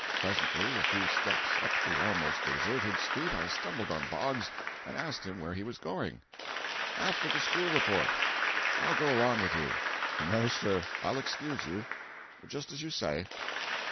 Presently, a few steps up the almost deserted street I stumbled on Boggs and asked him where he was going. "After the school report." "I'll go along with you." "No, sir. I'll excuse you." "Just as you say."